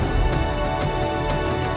kau n emphasize aku kolek